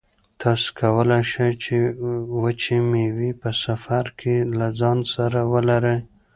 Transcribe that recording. تاسو کولای شئ چې وچې مېوې په سفر کې له ځان سره ولرئ.